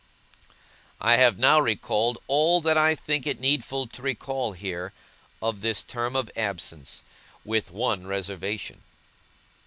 I have now recalled all that I think it needful to recall here, of this term of absence with one reservation.